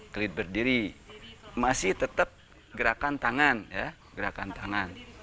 kelit berdiri masih tetap gerakan tangan ya gerakan tangan